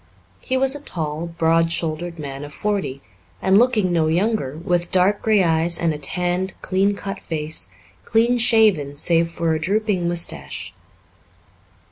He was a tall, broad shouldered man of forty, and looking no younger, with dark grey eyes and a tanned, clean cut face, clean shaven save for a drooping moustache.